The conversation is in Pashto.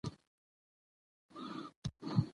یعنې د ناوې له لوري هغه نژدې مشره ښځه